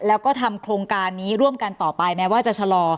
แล้วก็ทำโครงการนี้ร่วมกันต่อไปแม้ว่าจะชะลอ